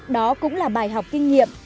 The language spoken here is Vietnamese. đó cũng là bài học kinh nghiệm